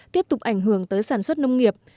tiếp tục ảnh hưởng tới sản xuất nông nghiệp